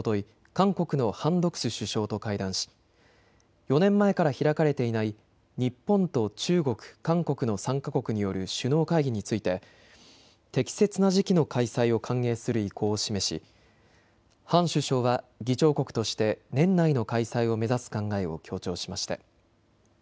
韓国のハン・ドクス首相と会談し４年前から開かれていない日本と中国、韓国の３か国による首脳会議について適切な時期の開催を歓迎する意向を示しハン首相は議長国として年内の開催を目指す考えを強調しました。